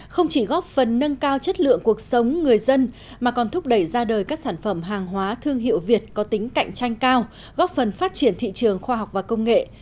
không chỉ góp phần nâng cao chất lượng cuộc sống người dân mà còn thúc đẩy ra đời các sản phẩm hàng hóa thương hiệu việt có tính cạnh tranh cao góp phần phát triển thị trường khoa học và công nghệ